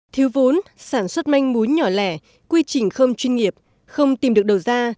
thiếu vốn sản xuất manh mún nhỏ lẻ quy trình không chuyên nghiệp không tìm được đầu ra